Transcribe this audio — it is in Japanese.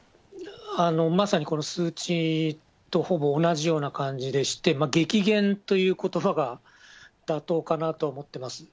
まさにこの数値とほぼ同じような感じでして、激減ということばが妥当かなと思ってます。